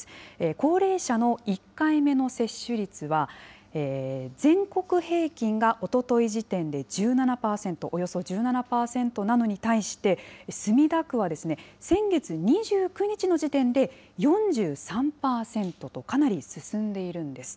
高齢者の１回目の接種率は、全国平均がおととい時点で１７％、およそ１７％なのに対して、墨田区は先月２９日の時点で、４３％とかなり進んでいるんです。